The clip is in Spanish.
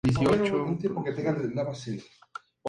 Tras ser derrotados, Otón le arrebató el ducado.